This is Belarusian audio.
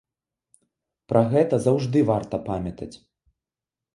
Пра гэта заўжды варта памятаць.